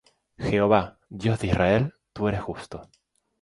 Jehová, Dios de Israel, tú eres justo: